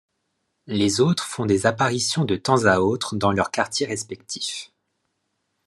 Les autres font des apparitions de temps à autre dans leurs quartiers respectifs.